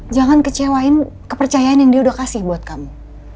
jangan kecewa dengan kepercayaan yang dia sudah berikan untuk kamu